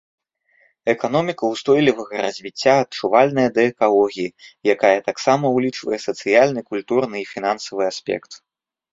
Эканоміка ўстойлівага развіцця, адчувальная да экалогіі, якая таксама ўлічвае сацыяльны, культурны і фінансавы аспект.